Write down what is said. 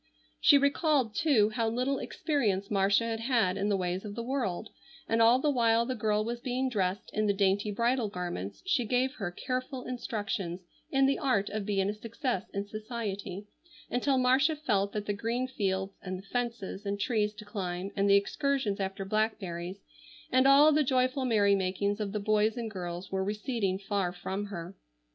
She recalled, too, how little experience Marcia had had in the ways of the world, and all the while the girl was being dressed in the dainty bridal garments she gave her careful instructions in the art of being a success in society, until Marcia felt that the green fields and the fences and trees to climb and the excursions after blackberries, and all the joyful merry makings of the boys and girls were receding far from her.